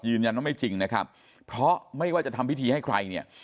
ยืนยันว่าไม่จริงนะครับเพราะไม่ว่าจะทำพิธีให้ใครเนี่ย